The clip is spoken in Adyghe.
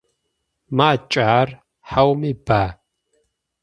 Макӏа ар, хьауми ба?